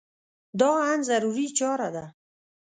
دا ان ضروري چاره ده.